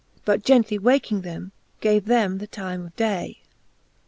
But gently waking them, gave them the time of day.